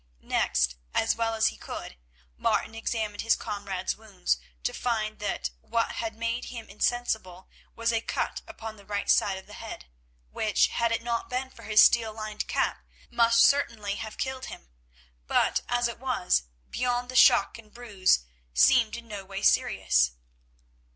Next, as well as he could, Martin examined his comrade's wounds, to find that what had made him insensible was a cut upon the right side of the head, which, had it not been for his steel lined cap, must certainly have killed him, but as it was, beyond the shock and bruise, seemed in no way serious.